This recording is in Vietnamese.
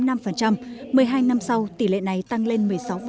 một mươi hai năm sau tỷ lệ này tăng lên một mươi sáu